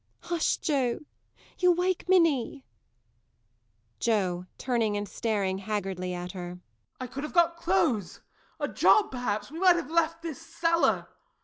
_] Hush, Joe you'll wake Minnie. JOE. [Turning and staring haggardly at her.] I could have got clothes a job, perhaps we might have left this cellar.